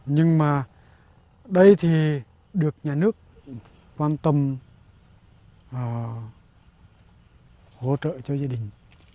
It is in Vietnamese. nhưng mà đây thì được nhà nước quan tâm hỗ trợ cho gia đình